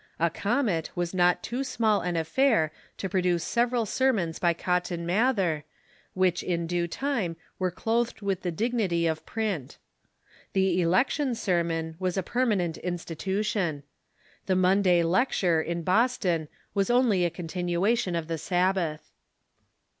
A comet was not too small an affair to produce several sermons by Cotton Mather, which in due time were clothed Avith the dignity of print. The Election Sermon was a permanent institution. The Monday Lecture in Boston was only a continuation of the Sabbath.